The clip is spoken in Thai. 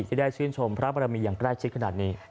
ที่ได้ชื่นชมพระบรมีอย่างใกล้ชิดขนาดนี้